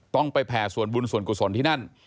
ต้องไปแผ่ส่วนบุญส่วนกุศลที่นั่น